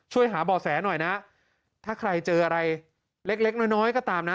ช่วยหาเบาะแสหน่อยนะถ้าใครเจออะไรเล็กน้อยก็ตามนะ